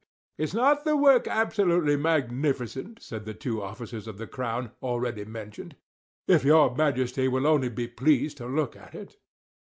"Is not the work absolutely magnificent?" said the two officers of the crown, already mentioned. "If your Majesty will only be pleased to look at it!